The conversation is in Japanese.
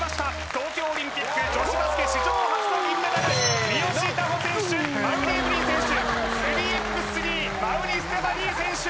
東京オリンピック女子バスケ史上初の銀メダル三好南穂選手馬瓜エブリン選手３ｘ３馬瓜ステファニー選手